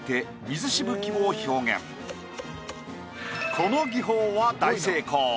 この技法は大成功。